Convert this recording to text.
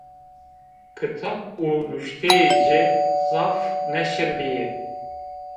Kitab û nuşteyê ci zaf neşr bîyî